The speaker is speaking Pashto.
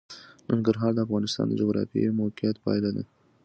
ننګرهار د افغانستان د جغرافیایي موقیعت پایله ده.